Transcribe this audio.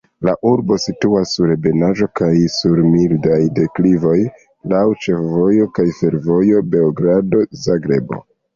La urbo situas sur ebenaĵo kaj sur mildaj deklivoj, laŭ ĉefvojo kaj fervojo Beogrado-Zagrebo.